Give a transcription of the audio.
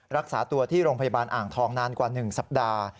รักษาตัวที่โรงพยาบาลอ่างทองนานกว่า๑สัปดาห์